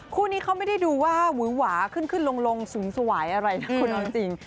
คู่นี้เขาไม่ได้ดูว่าหวือหวาขึ้นขึ้นลงสูงสวายอะไรนะคุณเอาจริง